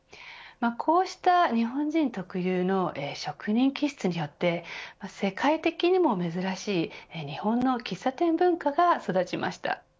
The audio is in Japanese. こうした日本人特有の職人気質によって世界的にも珍しい日本の喫茶店文化が育ちました。